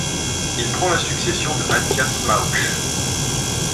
Il prend la succession de Matthias Maucksch.